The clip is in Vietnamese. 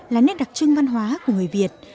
là nét đặc trưng văn hóa của người việt